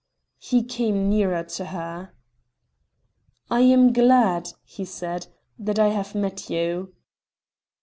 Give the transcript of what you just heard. He came nearer to her. "I am glad," he said, "that I have met you."